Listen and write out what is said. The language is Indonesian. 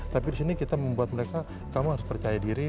tapi disini kita membuat mereka kamu harus percaya diri